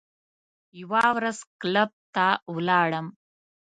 یوه ورځ کلب ته ولاړم.